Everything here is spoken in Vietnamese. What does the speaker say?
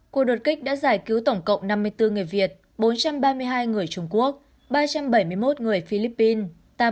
cuộc đột kích đã giải cứu tổng cộng năm mươi bốn người việt bốn trăm ba mươi hai người trung quốc ba trăm bảy mươi một người philippines